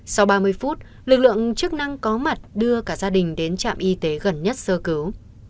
sau ba mươi phút lực lượng chức năng có mặt đưa cả gia đình đến trạm y tế gần nhất sơ cứu